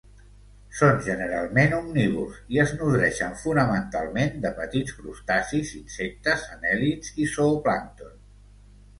Són generalment omnívors i es nodreixen fonamentalment de petits crustacis, insectes, anèl·lids i zooplàncton.